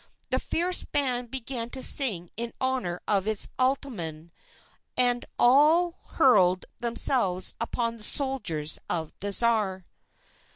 The fierce band began to sing in honor of its Ataman, and all hurled themselves upon the soldiers of the Tsar."